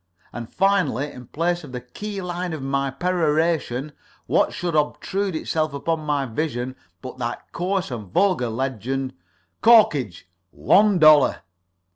And, finally, in place of the key line of my peroration, what should obtrude itself upon my vision but that coarse and vulgar legend: Corkage, one dollar.